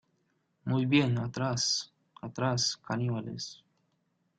¡ Muy bien, atrás! ¡ atrás , caníbales !